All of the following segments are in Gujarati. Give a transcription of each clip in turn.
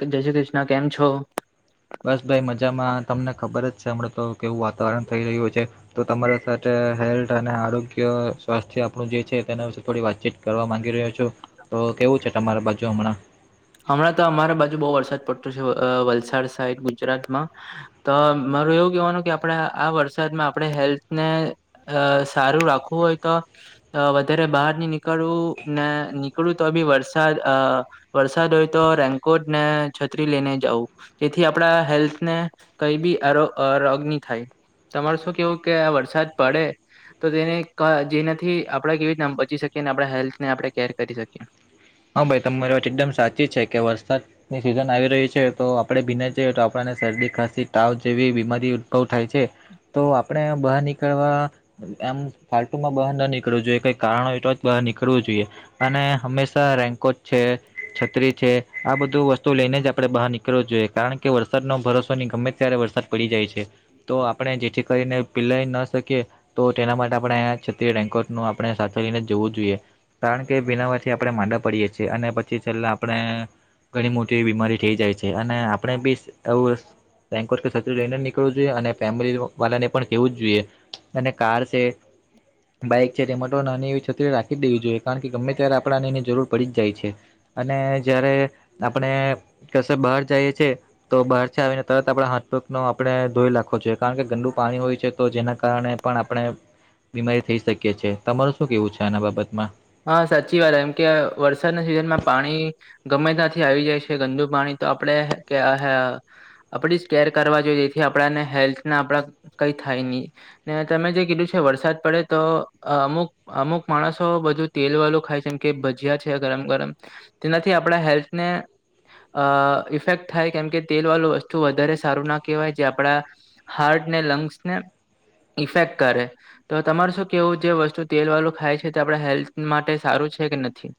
જય શ્રી કૃષ્ણ, કેમ છો? બસ ભાઈ મજામાં તમને ખબર જ છે હમડં તો કેવું વાતાવરણ થઈ રહ્યું છે. તો તમારા સાથે હેલ્થ અને આરોગ્ય સ્વાસ્થ્ય આપણું જે છે તેના વિશે થોડી વાતચીત કરવા માંગી રહ્યા છું. તો કેવું છે તમારા બાજુ હમણાં? હમણાં તો અમારા બાજુ બહુ વરસાદ પડતો છે વલસાડ સાઈડ ગુજરાતમાં તો મારું એવું કેવાનું કે આપડે આ વરસાદમાં આપડે હેલ્થને અ સારું રાખવું હોય તો અ વધારે બહાર ની નીકળવું ને નીકળૂ તો બી વરસાદ અ વર સાદ હોય તો રેનકોટ ને છત્રી લઈને જાઉં. જેથી આપડા હેલ્થને કઈબી આરોગ રોગ ની થાય. તમારે શું કેવું કે આ વરસાદ પડે તો તેને ક જેનાથી આપડે કેવી રીતના આમ બચી શકીએ ને આપડા હેલ્થને આપડે કેર કરી શકીએ. હા ભાઈ તમારી વાત એકદમ સાચી છે કે વરસાદ ની સિઝન આવી રહી છે તો આપડે ભીને જઈએ તો આપણને શરદી ખાંસી તાવ જેવી બીમારી ઉદભવ થાય છે. તો આપડે બહાર નીકળવા એમ ફાલતુમાં બહાર ન નીકળવું જોઈએ કઈ કારણ હોય તો જ બહાર નીકળવું જોઈએ અને હંમેશ રેન્કો છે છત્રી છે આ બધું વસ્તુ લઈને જ આપડે બહાર નીકળવું જોઈએ કારણ કે વરસાદ નો ભરોસો ની ગમે ત્યારે વરસાદ પડી જાય છે. તો આપડે જેથી કરીને પીલાઈ ન શકીએ તો તેના માટે આપણે છત્રી રેઇનકોટ નું આપણે સાથે લઈને જવું જોઈએ કારણ કે ભીનામાંથી પડે માંડ પડીએ છીએ અને પછી છેલ્લા આપણે ઘણી મોટી એવી બીમારી થઈ જાય છે અને આપણે બી એવું રેઇનકોટ કે છત્રી લઈને નીકળવું જોઈએ અને ફેમિલી વાલાને પણ કેવું જ જોઈએ અને કાર સે બાઈક છે તેમાં તો નાની એવી છત્રી રાખી દેવી જોઈએ કારણ કે ગમે ત્યારે કપડાંનીની જરૂર પડી જ જાય છે અને જ્યારે આપણે કશે બહાર જઈએ છે તો બહાર છે આવીને તરત આપડે હાથપક નો આપડે ધોઈ નાખો જોઈએ કારણ કે ગંદુ પાણી હોય છે તો જેના કારણે પણ આપળે બીમારી થઈ શકીએ છીએ તમારું શું કેવું છે આના બાબતમાં? હા સાચી વાત એમ કે વરસાદના સિઝનમાં પાણી ગમે ત્યાંથી આવી જાય છે ગંદુ પાણી તો આપડે કે [unintelligible] આપડી જ કેર કરવા જોઈએ જેથી આપણાને હેલ્થના આપડા ને કઈ થાય ની. ને તમે જે કીધું છે વરસાદ પડે તો અમુક અમુક માણસો બધું તેલ વાળું ખાય છેમ કે ભજીયા છે ગરમ ગરમ તેનાથી આપણા હેલ્થને અ ઇફેક્ટ થાય કેમ કે તેલ વાલુ વસ્તુ વધારે સારું ના કહેવાય જે આપડા હાર્ટ ને લંગ્સ ને ઇફેક્ટ કરે તો તમારે શું કેવું જે વસ્તુ તેલ વાલુ ખાય છે તે આપડા હેલ્થ માટે સારું છે કે નથી?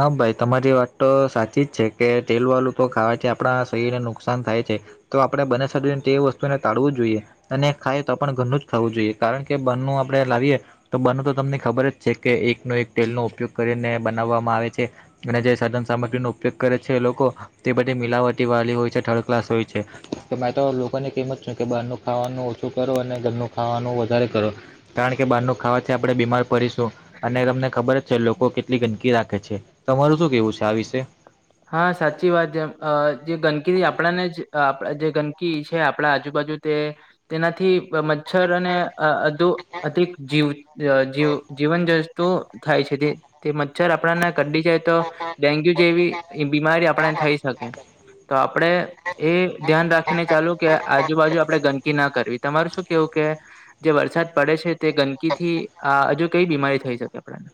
હા ભાઈ તમારી વાત તો સાચી જ છે કે તેલ વાલુ તો ખાવાથી આપડા શરીરને નુકસાન થાય છે. તો આપડે બને સડીને તે વસ્તુને ટાળવું જ જોઈએ. અને ખાય તો પણ ઘરનું જ ખાવું જોઈએ કારણ કે બારણું આપડે લાવીએ તો બને તો તમને ખબર જ છે કે એકનો એક તેલનો ઉપયોગ કરીને બનાવવામાં આવે છે. અને જે સાધન સામગ્રીનો ઉપયોગ કરે છે લોકો તે બધી મિલાવટી વાળી હોય છે થર્ડ ક્લાસ હોય છે. કે મેંતો લોકોની કેમજ છું કે બહારનું ખાવાનું ઓછું કરો અને ઘરનું ખાવાનું વધારે કરો કારણ કે બહાર નું ખાવાથી આપડે બીમાર પરીશું અને તમને ખબર જ છે લોકો કેટલી ગંદકી રાખ ખે છે તમારું શું કેવું છે આ વિશે? હા સાચી વાત જેમ અ જે ગંદકી આપડાને જ અ આપડા જે ગંદકી છે આપડા આજુબાજુ તે તેનાથી મચ્છર અને [unintelligible] તો થાય છે તે તે મચ્છર આપળાને કદી જાય તો ડેન્ગ્યુ જેવી બીમારી આપડાણે થઈ શકે તો આપડે એ ધ્યાન રાખીને ચાલુ કે આજુબાજુ આપડે ગંદકી ના કરવી તમાર શું કેવું કે જે વરસાદ પડે છે તે ગંદકીથી આ હજુ કઈ બીમારી થઈ શકે આપડાણે?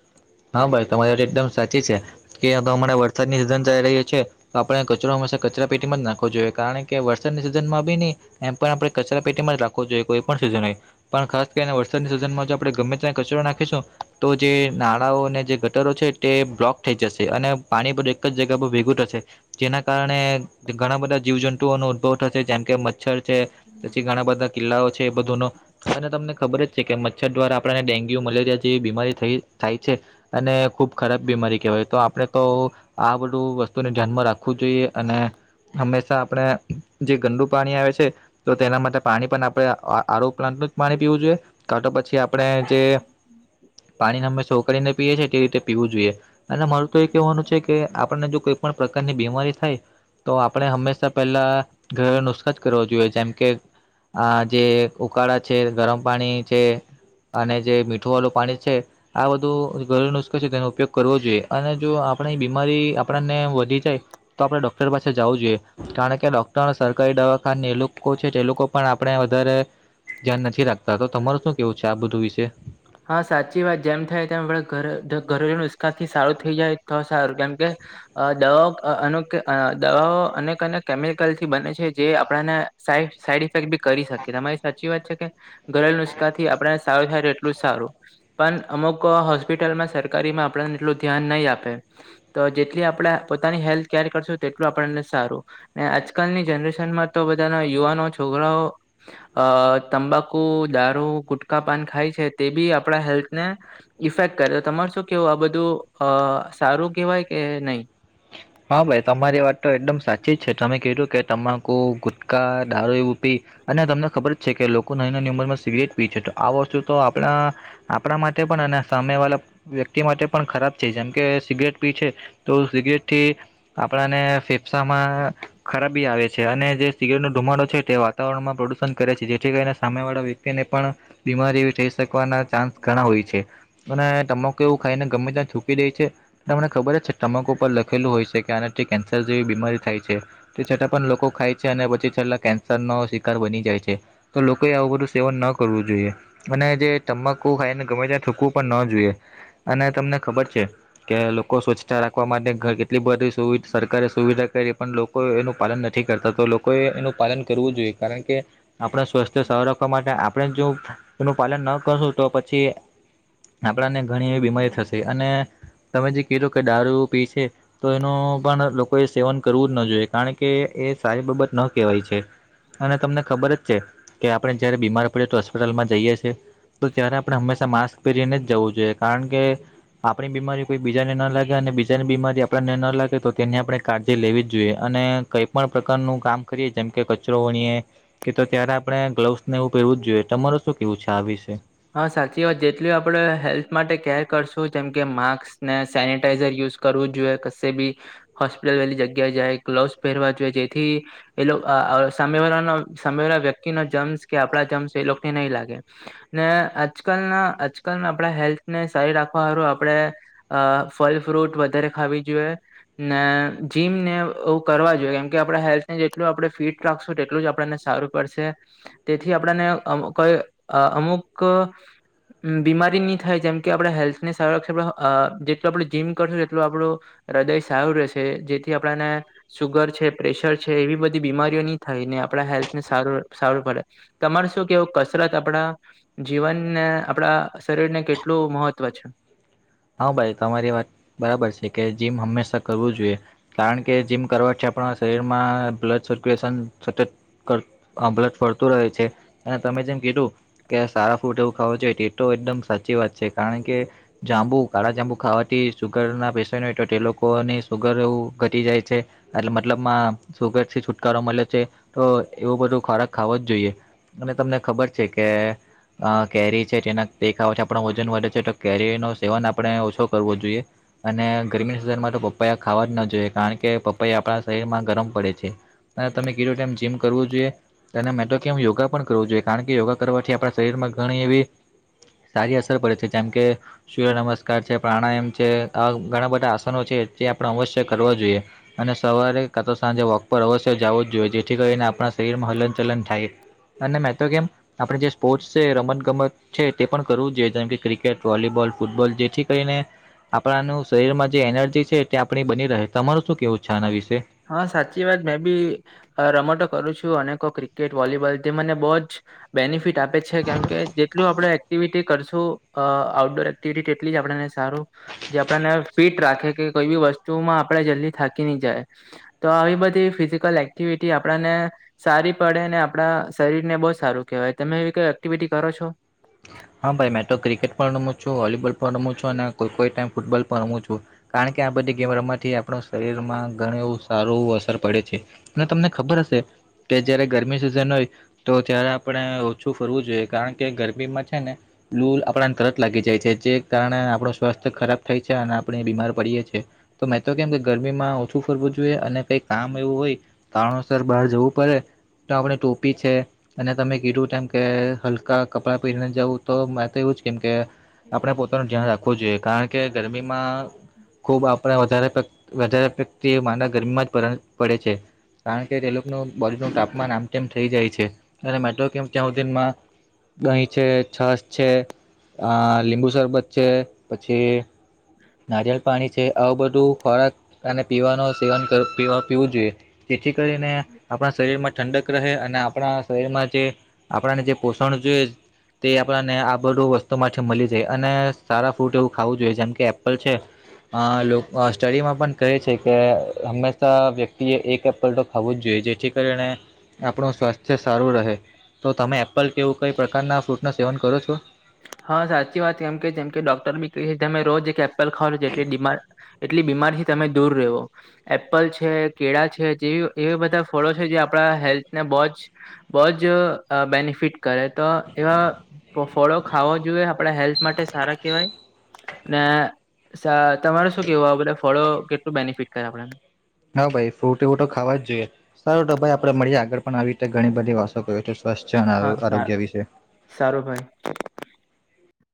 હા ભાઈ તમારી વા એકદમ સાચી છે કે તો અમારે વરસાદની સિઝન ચાલી રહી છે તો આપણે કચરો હંમેશા કચરા પેટીમાં જ નાખવો જોઈએ કારણ કે વરસાદની સિઝનમાં બી ની એમ પણ આપણે કચરા પેટીમાં જ રાખવો જોઈએ, કોઈ પણ સિઝન હોય. પણ ખાસ કરીને વરસાદની સિઝનમાં જો આપણે ગમે ત્યાં કચરો નાખીશું તો જે નાળ નાડાઓ અને જે ગટરો છે તે બ્લોક થઈ જશે. અને પાણી બધું એક જ જગ્યા પર ભેગું થશે. જેના કારણે ઘણા બધા જીવજંતુઓનો ઉદભવ થશે. જેમ કે મચ્છર છે, પછી ઘણા બધા કિલ્લાઓ છે એ બધું નો અને તમને ખબર જ છે કે મચ્છર દ્વારા આપણને ડેન્ગ્યુ, મલેરિયા જેવી બીમારી થઈ. થાય છે અને ખૂબ ખરાબ બીમારી કહેવાય તો આપણે તો આ બધું વસ્તુને ધ્યાનમાં રાખવું જોઈએ. અને હંમેશા આપડે જે ગંદુ પાણી આવે છે. તો તેના માટે પાણી પણ આપણે આરો પ્લાન્ટનું જ પાણી પીવું જોઈએ. કા તો પછી આપણે જે પાણી હંમેશા ઉકાળીને પીએ છીએ તે રીતે પીવું જોઈએ. અને મારું તો એ કહેવાનું છે કે આપણને જો કોઈ પણ પ્રકારની બીમારી થાય તો આપણે હંમેશા પહેલા ઘરેલા નુસ્ખા જ કરવા જોઈએ, જેમ કે આ જે ઉકાળા છે, ગરમ પાણી છે. અને જે મીઠું વાળું પાણી છે. આ બધું ઘરેલ નુસ્ખો છે તેનો ઉપયોગ કરવો જોઈએ, અને જો આપણી બીમારી આપણને વધી જાય. તો આપડે ડોક્ટર પાસે જાવું જોઈએ. કારણ કે ડોક્ટરને સરકારી દવાખાની એ લોકો છે તે લોકો પણ આપણે વધારે ધ્યાન નથી રાખતા. તો તમારું શું કેવું છે આ બધું વિશે? હા સાચી વાત. જેમ થાય તેમ આપણે ઘરે ઘરેલુ નુસ્કા થી સારું થઈ જાય તો સારું. કેમ કે અ દવાઓ અનુક દવાઓ અનેક અનેક કેમિકલથી બને છે જે આપણને સા સાઈડ ઇફેક્ટ બી કરી શકે. તમારી સાચી વાત છે કે? ઘરેલું નુસ્ખાથી આપણે સારું થાય તેટ લું સારું. પણ અમુક હોસ્પિટલમાં સરકારીમાં આપણને એટલું ધ્યાન નહી આપે. તો જેટલી આપણા પોતાની હેલ્થ કેર કરશું તેટલું આપણને સારું. ને આજકાલની જનરેશનમાં તો બધાના યુવાનો, છોકરાઓ અ તંબાકુ, દારૂ, ગુટકા પાન ખાય છે તે બી આપણા હેલ્થને ઇફેક્ટ કરે. તો તમાર શું કેવું આ બધું અ સારું કહેવાય કે નહી? હા ભાઈ તમારી વાત તો એકદમ સાચી જ છે. તમે કીધું કે તમાકુ, ગુટકા, દારૂ એવું પી અને તમને ખબર જ છે કે લોકો નાની નાની ઉંમરમાં સિગરેટ પી છે. તો આ વસ્તુ તો આપણા આપણા માટે પણ અને સામે વાલા વ્યક્તિ માટે પણ ખરાબ છે. જેમ કે સિગરેટ પી છે. તો સિગરેટથી આપણાને ફેફસામાં ખરાબી આવે છે. અને જે સિગરેટ નો ધુમાડો છે તે વા વાતાવરણમાં પ્રદુષણ કરે છે. જેથી કરીને સામેવાળા વ્યક્તિને પણ બીમારી એવી થઈ શકવાના ચાન્સ ઘણા હોય છે. અને તમાકુ એવું ખાઈને ગમે ત્યાં થુકી દે છે તમને ખબર જ છે તમાકુ ઉપર લખ લખેલું હોય છે કે આનાથી કેન્સર જેવી બીમારી થાય છે. તે છતાં પણ લોકો ખાય છે અને પછી છેલ્લા કેન્સરનો શિકાર બની જાય છે. તો લોકોએ આવું બધું સેવન ન કરવું જોઈએ. અને જે તમાકુ ખાઈને ગમે ત્યાં થૂકવું પણ ન જોઈએ. અને તમને ખબર છે કે લોકો સ્વચ્છતા રાખવા માટે કેટલી બધી સુવિ સરકારે સુવિધા કરી પણ લોકો એનું પાલન નથ નથી કરતા. તો લોકોએ એનું પાલન કરવું જોઈએ. કારણ કે આપણા સ્વાસ્થ્ય સારું રાખ ખવા માટે આપણે જ જો એનું પાલન ના કરશું તો પછી આપણાને ઘણી એવી બીમારી થશે અને તમે જે કીધું કે દારૂ પી છે. તો એનું પણ લોકોએ સેવન કરવું જ ન જોઈએ. કારણ કે એ સારી બાબત ન કહેવાય છે. અને તમને ખબર જ છે કે આપણે જયારે બીમાર પડીએ તો હોસ્પિટલમાં જઈએ છીએ. તો ત્યારે આપણે હંમેશા માસ્ક પહેરીને જ જવું જોઈએ. કારણ કે આપણી બીમારી કોઈ બીજા ને ના લાગે, અને બીજાની બીમારી આપ આપણને ન લાગે તો તેની આપણે કાળજી લેવી જ જોઈએ. અને કઈ પણ પ્રકારનું કામ કરીએ જેમ કે કચ કચરો વીણીએ કે તો ત્યારે આપણે ગ્લોવસ ને એવું પહેરવું જ જોઈએ. તમારુ શું કેવું છે આ વિશે? હા સાચી વાત જેટલી આપણે હેલ્થ માટે કેર કરશું જેમ કે માસ્ક ને સેનટાઈઝર યુઝ કરવું જોઈએ કશે બી હોસ્પિટલ વાલી જગ્યાએ જાય ગ્લોવસ પહેરવા જોઈએ જેથી એ લો અ સામે વાળા સામે વાળા વ્યક્તિ ના જમ્સ કે આપડા જમ્સ એ લોકોને નય લાગે. ને આજકાલના આજકાલના આપણા હેલ્થને સારી રાખવા હારુ આપડે અ ફલ ફ્રૂટ વધારે ખાવી જોઈએ. ને જીમ ને એવુ કરવા જોઈએ કેમ કે આપડા હેલ્થને જેટલું આપડે ફીટ રાખશો તેટલું જ આપણને સારું પડશે તેથી આપણને અ કોઈ અમુક બીમારી ની થાય જેમ કે આપણા હેલ્થને સારક્ષ માં અ જેટલું આપણે જીમ કરશું એટલો આપણો હૃદય સારુ રહેશે જેથી આપણાને સુગર છે, પ્રેશર છે એવી બધી બીમારીઓ ની થાય ને આપણા હેલ્થને સારું સારું પડે. તમારે શું કેવું ક કસરત આપણા જીવન ને આપડા શરીર ને કેટલું મહત્વ છે. હા ભાઈ તમારી વાત બરાબર છે કે જીમ હંમેશા કરવું જોઈએ કારણ કે કે જીમ કરવાથી આપણા શરીરમાં બ્લડ સર્ક્યુલેશન સતત કત બલડ ફરતું રહે છે અને તમે જેમ કીધું કે સારા ફ્રૂટ એવું ખાવુ જોઈએ તે તો એકદમ સાચી વાત છે કારણ કે જાંબુ કાળા જાંબુ ખાવાથી સુગર ના પેશન્ટ હોય તો તે લોકો ની સુગર ઘટી જાય છે. એટલે મતલબમાં સુગર થી છુટકારો મળે છે તો એવો બધો ખોરાક ખાવો જ જોઈએ. અને તમને ખબર છે કે અ કેરી છે તેના તે ખાવાથી આપણો વજન વધે છે તો કેરી નું સેવન આ આપણે ઓછો કરવો જોઈએ. અને ગરમીની સિઝનમાં તો પપૈયા ખાવા જ ન જોઈએ કારણ કે પપૈયા આપણા શરીરમાં ગરમ પડે છે. અને તમે કીધું તેમ જીમ કરવુ જોઈએ અને મેં તો કેમ યોગા પણ કરવુ જોઈએ કારણ કે યોગા કરવાથી આપ શરીરમાં ઘણી એવી સારી અસર પડે છે જેમ કે સૂર્ય નમસ્ નમસ્કાર છે, પ્રાણાયમ છે આવા ઘણા બધા આસનો છે જે આપણે અવશ્ય કરવા જોઈએ. અને સવારે કા તો સાંજે વોક પર અવશ્ય જાવું જ જોઈએ જેથી કરીને આપણા શરીરમાં હલન ચલન થાય. અને મેં તો કેમ આપણે જે સ્પોર્ટ્સ છે, રમત ગમત છે તે પણ કરવું જોઈએ જેમ કે ક્રિકેટ, વોલીબોલ, ફૂટબોલ જે થી કરીને આપણાનું શરીરમાં જે એનર્જી છે તે આપણી બની રહે તમારું શું કેવું છે આના વિશે. હા સાચી વાત મેં બી રમતો કરું છું અનેકો ક્રિકેટ વોલીબોલ જે મને બો જ બેનિફિટ આપે છે કેમ કે જેટલું આપણેે એક્ટિવિટી કરશું અ આઉટડોર એક્ટિવિટી તેટલી જ આપડા ને સારું. જે આપડા ને ફિટ રાખે કે કોઈ બી વસ્તુમાં આપણેે જલ્દી થાકી ની જાય. તો આવી બધી ફિઝિકલ એક્ટિવિટી આપડા ને સારી પડે ને આપણા શરીર ને બો સારું કહેવાય. તમે આવી કોઈ એક્ટિવિટી કરો છો? હા ભાઈ મેં તો ક્રિકેટ પણ રમું છું, વોલીબોલ પણ રમું છું અને કોઈ કોઈ ટાઈમ ફૂટબોલ પણ રમું છું કારણ કે આ બધી ગેમ રમવાથી આપણા શરીરમાં ઘણું એવુ સારું અસર પડે છે. ને તમને ખબર હશે કે જ્યારે ગરમી સિઝન હોય તો ત્યારે આપણે ઓછું ફરવું જોઈએ કારણ કે ગરમીમાં છે ને લૂલ આપણાને તરત લાગી જાય છે જે કારણે આપણું સ્વાસ્થ્ય ખરાબ થાય છે અને આપણે બીમાર પડીએ છીએ. તો મેં તો કેમ કે ગરમીમાં ઓછું ફરવું જોઈએ અને કઈ કામ એવું હોય કારણોસર બહાર જવું પડે તો આપણે ટોપી છે અને તમે કીધું તેમ કે હલકા કપડાં પહેરીને જવું તો મેં તો એવું જ કેમ કે આપણે પોતાનું ધ્યાન રાખવું જોઈએ કારણ કે ગરમીમાં ખૂબ આપણા વધારે પ વધારે વ્યક્તિ માદા ગરમીમાં જ પડે છે. કારણ કે તે લોકોનું બોડીનું તાપમાન આમતેમ થઈ જાય છે અને મે તો કેમ ત્યાં સુધીમાં દહીં છે, છાશ છે, આ લીંબુ શરબત છે પછી નારિયલ પાણી છે આવું બધું ખોરાક અને પીવાનું સેવન કર પીવા પીવું જોઈએ. જેથી કરીને આપણા શરીરમાં ઠંડક રહે અને આપણા શરીરમાં જે આપણાને જે પોષણ જોઈએ. તે આપણને આ બધું વસ્તુમાંથી મલી જાય અને સારા ફ્રૂટ એવું ખાવું જોઈએ જેમ કે એપલ છે. આ લો સ્ટડીમાં પણ કરે છે કે હંમેશા વ્યક્તિએ એક એપલ તો ખાવો જ જોઈએ જેથી કરીને આપણું સ્વાસ્થ્ય સારું રહે તો તમે એપલ કેવું કઈ પ્રકારના ફ્રૂટનું સેવન કરો છો. હા સાચી વાત કેમ કે જેમ કે ડોક્ટર બી ક તમે રોજ એક એપલ ખાવ જેટલી બીમાર એટલી બીમારીથી તમે દૂર રેવો. એપલ છે કેળા છે જેવી એવી બધા ફળો છે જે આપણા હેલ્થને બોજ. બોજ અ બેનિફિટ કરે તો એવા ફોળો ખાવા જોઈએ આપણા હેલ્થ માટે સારા કેવાય. ને સ તમારે શું કેવું આવુ બઘા ફળો કેટલું બેનિફિટ કરે આપને. હા ભાઈ ફ્રૂટી વૂટું ખાવા જ જોઈએ સારું તો ભાઈ આપડે મળીએ આગળ પણ આવી રીતે ઘણી બધી વાતો ક. સ્વસ્થ છ અને હા સા આરોગ્ય વિશે. સારું ભાઈ.